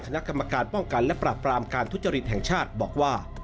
คณะกรรมการป้องกันและปรับปรามการทุจริตแห่งชาติบอกว่า